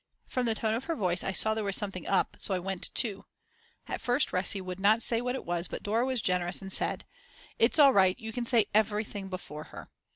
From the tone of her voice I saw there was something up so I went too. At first Resi would not say what it was but Dora was generous and said: "It's all right, you can say everything before her."